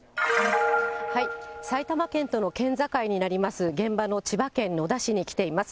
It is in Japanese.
埼玉県との県境になります、現場の千葉県野田市に来ています。